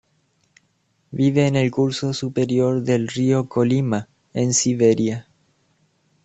Vive en el curso superior del río Kolymá, en Siberia.